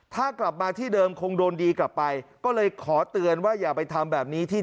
ถ้ากลับมาที่เดิมคงโดนดีกลับไปก็เลยขอเตือนว่าอย่าไปทำแบบนี้ที่